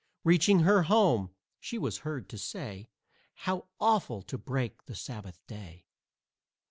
Reaching her home, she was heard to say "How awful to break the Sabbath day!"